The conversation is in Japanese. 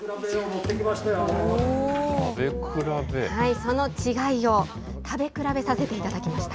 その違いを食べ比べさせていただきました。